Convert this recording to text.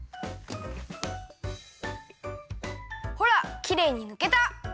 ほらきれいにぬけた！